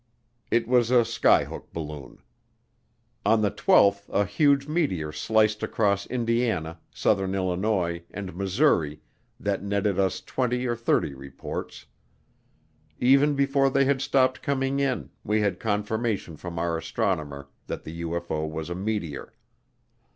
It was a skyhook balloon. On the twelfth a huge meteor sliced across Indiana, southern Illinois, and Missouri that netted us twenty or thirty reports. Even before they had stopped coming in, we had confirmation from our astronomer that the UFO was a meteor.